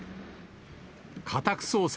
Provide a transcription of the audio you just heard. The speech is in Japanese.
家宅捜索